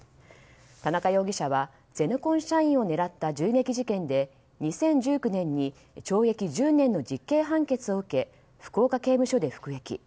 田中容疑者はゼネコン社員を狙った銃撃事件で２０１９年に懲役１０年の実刑判決を受け福岡刑務所で服役。